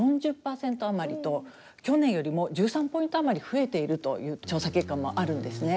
４０％余りと去年よりも１３ポイント余り増えているという調査結果もあるんですね。